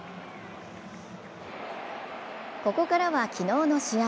ここからは昨日の試合。